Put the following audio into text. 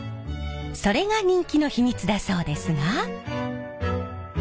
それが人気の秘密だそうですが。